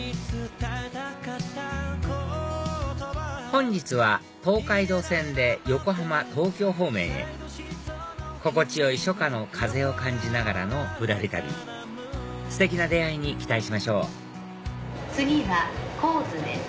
本日は東海道線で横浜東京方面へ心地良い初夏の風を感じながらのぶらり旅ステキな出会いに期待しましょう次は国府津です。